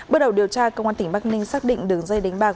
bước đầu điều tra công an tỉnh bắc ninh xác định đường dây đánh bạc